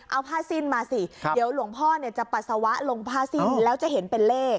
เอาผ้าสิ้นมาสิเดี๋ยวหลวงพ่อเนี่ยจะปัสสาวะลงผ้าสิ้นแล้วจะเห็นเป็นเลข